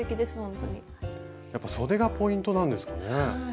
やっぱそでがポイントなんですよね。